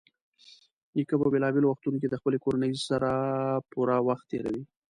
نیکه په بېلابېلو وختونو کې د خپلې کورنۍ سره پوره وخت تېروي.